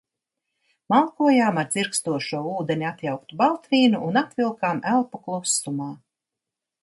Malkojām ar dzirkstošo ūdeni atjauktu baltvīnu un atvilkām elpu klusumā.